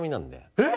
えっ？